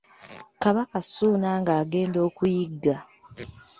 Kabaka Ssuuna ng’agenda okuyigga.